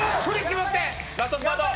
ラストスパート！